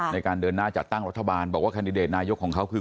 ในการเดินหน้าจัดตั้งรัฐบาลบอกว่าแคนดิเดตนายกของเขาคือ